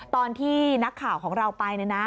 ตอนที่นักข่าวของเราไป